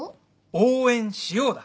応援しようだ。